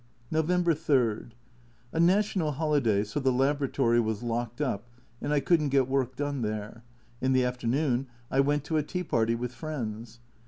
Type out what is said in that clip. November 3. A national holiday, so the labora tory was locked up, and I couldn't get work done there. In the afternoon I went to a tea party with friends.